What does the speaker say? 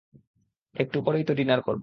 একটু পরেই তো ডিনার করবো।